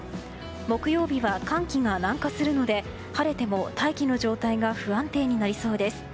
木曜日は寒気が南下するので晴れても、大気の状態が不安定になりそうです。